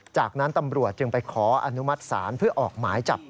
จากนั้นตำรวจจึงไปขออนุมัติศาลเพื่อออกหมายจับ